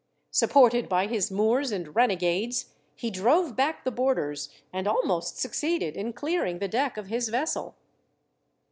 Supported by his Moors and renegades he drove back the boarders, and almost succeeded in clearing the deck of his vessel.